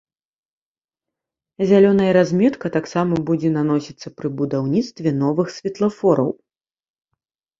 Зялёная разметка таксама будзе наносіцца пры будаўніцтве новых светлафораў.